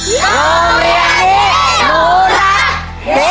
โรงเรียนนี้หนูรัก